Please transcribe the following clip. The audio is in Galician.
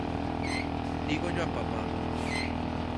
Dígollo á papá.